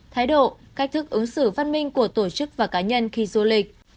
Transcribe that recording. thái độ cách thức ứng xử văn minh của tổ chức và cá nhân khi du lịch